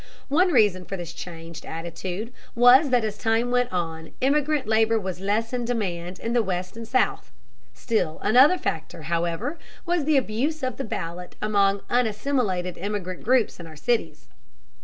One reason for this changed attitude was that as time went on immigrant labor was less in demand in the West and South. Still another factor, however, was the abuse of the ballot among unassimilated immigrant groups in our cities.